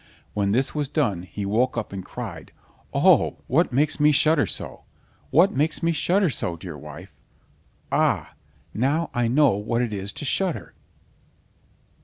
When this was done, he woke up and cried: "Oh, what makes me shudder so?—what makes me shudder so, dear wife? Ah! now I know what it is to shudder!"